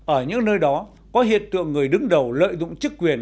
ở những nơi đó có hiện tượng người đứng đầu lợi dụng chức quyền